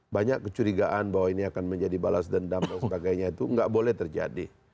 banyak kecurigaan bahwa ini akan menjadi balas dendam dan sebagainya itu nggak boleh terjadi